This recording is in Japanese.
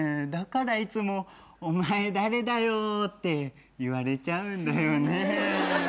だからいつも「お前誰だよ！」って言われちゃうんだよね。